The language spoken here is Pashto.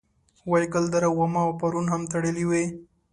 وایګل دره واما او پارون هم تړلې وې.